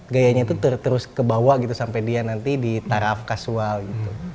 gayanya tuh terus kebawa gitu sampe dia nanti ditaraf casual gitu